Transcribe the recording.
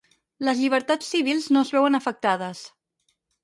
Les llibertats civils no es veuen afectades.